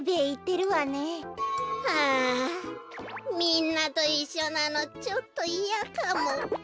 はあみんなといっしょなのちょっといやかも。